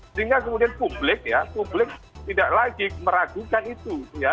sehingga kemudian publik tidak lagi meragukan itu